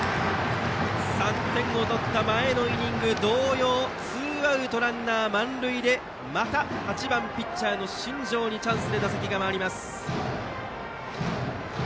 ３点を取った前のイニング同様ツーアウトランナー、満塁でまた８番ピッチャーの新庄にチャンスで打席が回ります。